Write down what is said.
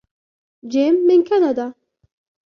جيم من كندا.